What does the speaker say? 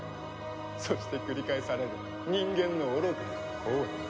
そして繰り返される人間の愚かな行為。